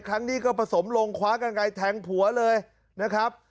ครั้งนี้ก็ผสมลงคว้ากันไกลแทงผัวเลยนะครับ